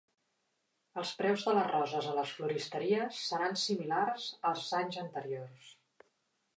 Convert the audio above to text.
Els preus de les roses a les floristeries seran similars als anys anteriors.